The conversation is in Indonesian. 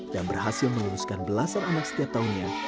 dan berhasil menguruskan belasan anak setiap tahunnya